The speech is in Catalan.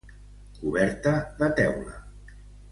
Coberta de teula.